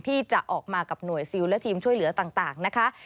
ที่จะออกมากับหน่วยซิลและทีมช่วยเหลือต่างนะคะ